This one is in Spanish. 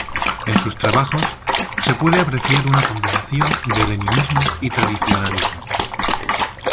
En sus trabajos se puede apreciar una combinación de leninismo y tradicionalismo.